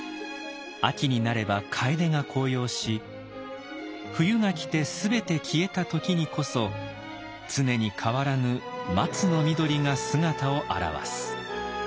秋になれば楓が紅葉し冬が来て全て消えた時にこそ常に変わらぬ松の緑が姿を現す。